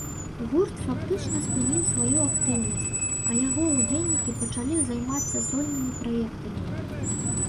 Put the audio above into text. Гурт фактычна спыніў сваю актыўнасць, а яго ўдзельнікі пачалі займацца сольнымі праектамі.